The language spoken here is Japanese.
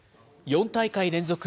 ４大会連続